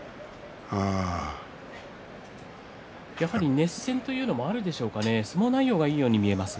熱戦というのもありますか相撲内容がいいように思えますが。